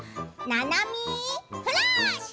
「ななみフラッシュ」！